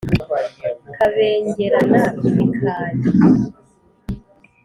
kabengerana ibikari ,'